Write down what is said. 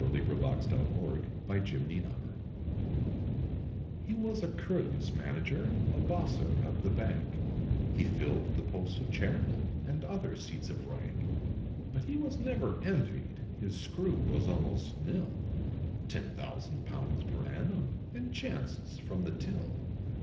[Illustration: THE HONEST YOUNG CASHIER] HE was a courteous manager a Bosser of the Bank, He filled the post of Chairman, and other seats of rank. But he was never envied, his screw was almost nil Ten thousand pounds per annum, and chances from the till.